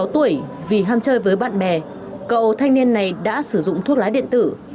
sáu tuổi vì ham chơi với bạn bè cậu thanh niên này đã sử dụng thuốc lá điện tử